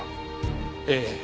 ええ。